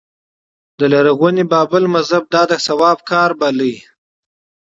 د لرغوني بابل مذهب دا د ثواب کار باله